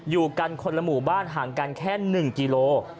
อยู่กันคนละหมู่บ้านห่างกันแค่๑กิโล